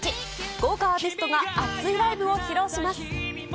豪華アーティストが熱いライブを披露します。